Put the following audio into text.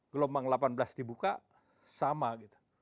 gelombang delapan belas dibuka sama gitu